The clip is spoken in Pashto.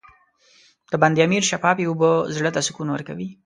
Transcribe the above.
د بند امیر شفافې اوبه زړه ته سکون ورکوي.